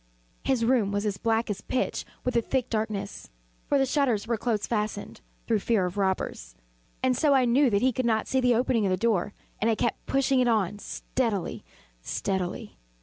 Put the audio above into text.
His room was as black as pitch with the thick darkness, (for the shutters were close fastened, through fear of robbers,) and so I knew that he could not see the opening of the door, and I kept pushing it on steadily, steadily.